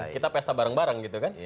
kita pesta bareng bareng gitu kan